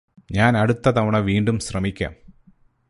ഞാന് അടുത്ത തവണ വീണ്ടും ശ്രമിക്കാം